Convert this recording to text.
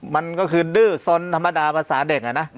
มันก็คือดื้อสนธรรมดาภาษาเด็กอะนะ